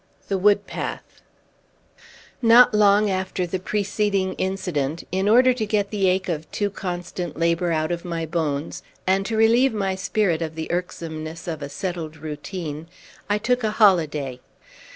XI. THE WOOD PATH Not long after the preceding incident, in order to get the ache of too constant labor out of my bones, and to relieve my spirit of the irksomeness of a settled routine, I took a holiday.